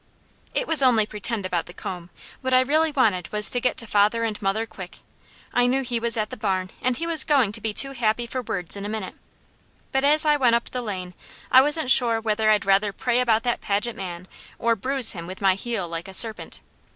It was only pretend about the comb; what I really wanted was to get to father and mother quick. I knew he was at the barn and he was going to be too happy for words in a minute. But as I went up the lane, I wasn't sure whether I'd rather pray about that Paget man or bruise him with my heel like a serpent.